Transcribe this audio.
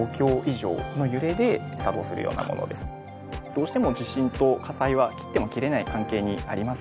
どうしても地震と火災は切っても切れない関係にあります。